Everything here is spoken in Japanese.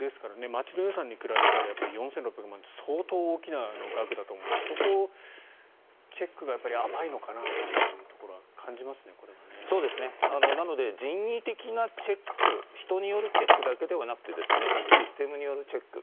町の予算に比べたら４６３０万って相当大きな額だと思うのでそこのチェックが甘いのかなというところはなので、人為的なチェック人によるチェックだけではなくてシステムによるチェック